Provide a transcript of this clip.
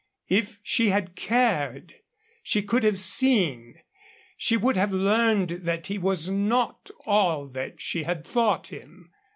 If she had cared, she could have seen, she would have learned that he was not all that she had thought him.